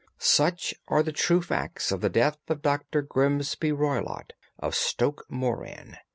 Such are the true facts of the death of Dr. Grimesby Roylott, of Stoke Moran.